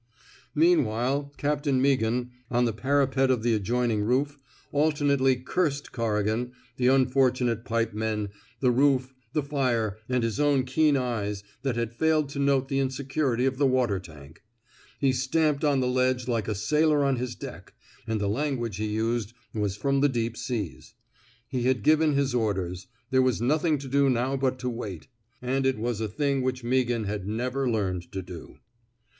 Meanwhile, Captain Meaghan, on the 167 f THE SMOKE EATERS parapet of the adjoining roof, alternately cursed Corrigan, the unfortunate pipemen, the roof, the fire, and his own keen eyes that had failed to note the insecurity of the water tank. He stamped on the ledge like a sailor on his deck, and the language he used was from the deep seas. He had given his orders. There was nothing to do now but to wait. And it was a thing which Mea ghan had never learned to do.